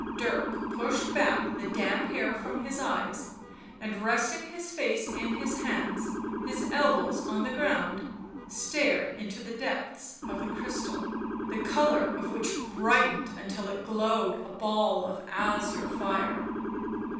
Dirk pushed back the damp hair from his eyes, and, resting his face in his hands, his elbows on the ground, he stared into the depths of the crystal, the colour of which brightened until it glowed a ball of azure fire.